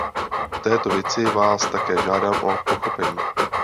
V této věci vás také žádám o pochopení.